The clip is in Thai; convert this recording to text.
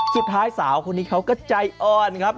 สุดท้ายสาวเขานี้เขาก็ใจอ่อนครับ